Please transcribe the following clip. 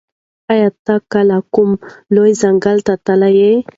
ایا ته کله کوم لوی ځنګل ته تللی یې؟